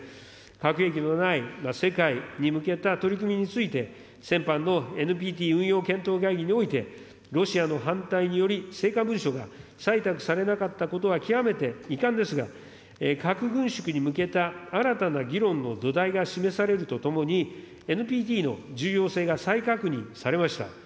核兵器のない世界に向けた取り組みについて、先般のＮＰＴ運用会議において、ロシアの反対により、成果文書が採択されなかったことは極めて遺憾ですが、核軍縮に向けた新たな議論の土台が示されるとともに、ＮＰＴの重要性が再確認されました。